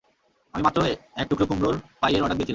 আমি মাত্রই এক টুকরো কুমড়োর পাইয়ের অর্ডার দিয়েছিলাম।